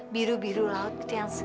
biru biru laut itu yang seger